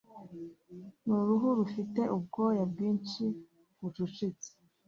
N uruhu rufite ubwoya bwinshi bucucitse